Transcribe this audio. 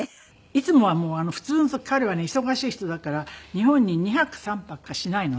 いつもはもう普通の彼はね忙しい人だから日本に２泊３泊しかしないのね。